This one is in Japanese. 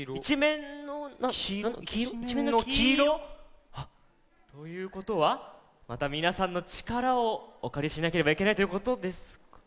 きいろ！ということはまたみなさんのちからをおかりしなければいけないということですか？